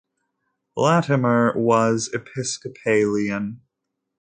Latimer was Episcopalian.